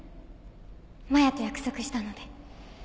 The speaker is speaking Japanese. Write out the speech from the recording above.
真矢と約束したので。